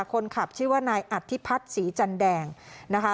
คนขับชื่อว่านายอธิพัฒน์ศรีจันแดงนะคะ